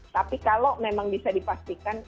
tapi kalau memang bisa dipastikan